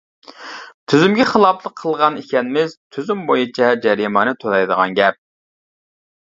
تۈزۈمگە خىلاپلىق قىلغان ئىكەنمىز، تۈزۈم بويىچە جەرىمانە تۆلەيدىغان گەپ.